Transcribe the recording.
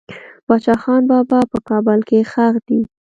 باچا خان بابا په کابل کې خښ دي.